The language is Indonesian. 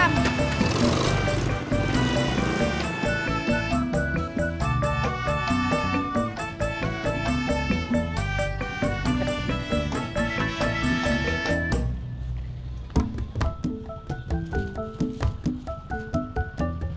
tidak cukup begitu